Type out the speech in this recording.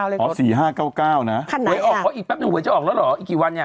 ๔๕๙๙เลยคุณครับคันไหนอ่ะอีกแปปหนึ่งเวยเจ้าออกแล้วเหรออีกกี่วันนี้